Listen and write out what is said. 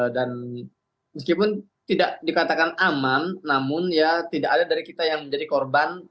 dan meskipun tidak dikatakan aman namun tidak ada dari kita yang menjadi korban